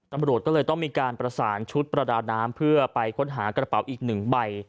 ตำรวจก็เลยต้องมีการประสานชุดประดาน้ำเพื่อไปค้นหากระเป๋าอีกหนึ่งใบ